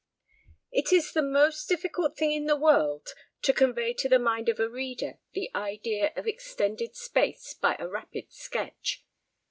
It is the most difficult thing in the world to convey to the mind of a reader the idea of extended space by a rapid sketch.